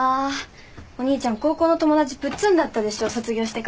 お兄ちゃん高校の友達プッツンだったでしょ卒業してから。